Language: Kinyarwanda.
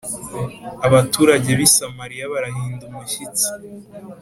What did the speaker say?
Abaturage b’i Samariya barahinda umushyitsi